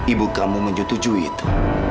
ibu kamu menyetujui itu